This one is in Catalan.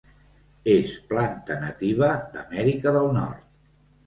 És planta nativa d'Amèrica del Nord.